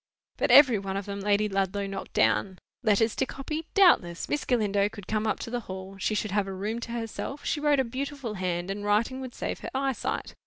But every one of them Lady Ludlow knocked down. Letters to copy? Doubtless. Miss Galindo could come up to the Hall; she should have a room to herself; she wrote a beautiful hand; and writing would save her eyesight.